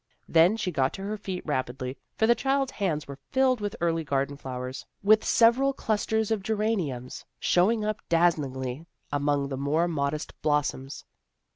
Then she got to her feet rapidly, for the child's hands were filled with early garden flowers, with several clusters of gerani ums showing up dazzlingly among the more modest blossoms.